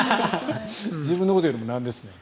自分のこと言うのもなんですね。